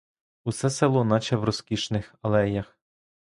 Усе село наче в розкішних алеях.